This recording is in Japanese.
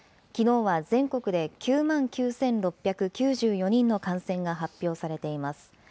きのうは全国で９万９６９４人の感染が発表されています。